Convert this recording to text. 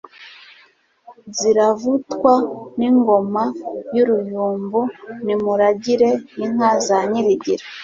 Ziravutwa n' ingoma y' uruyumbu Nimuragire inka za Nyirigira